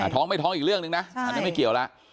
ท้องไม่ท้องอีกเรื่องหนึ่งนะอันนี้ไม่เกี่ยวแล้ว